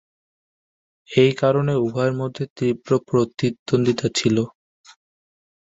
এই কারণে উভয়ের মধ্যে তীব্র প্রতিদ্বন্দ্বিতা ছিল।